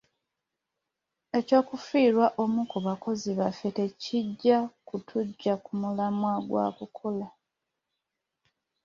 Eky'okufiirwa omu ku bakozi baffe tekijja kutuggya ku mulamwa gwa kukola.